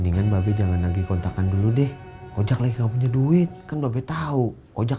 bebingan babi jangan lagi kontakan dulu deh ojek lagi nggak punya duit kan lobe tahu ojek